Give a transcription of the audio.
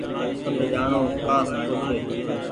پند جآڻو ڪآ سُٺو ڇي۔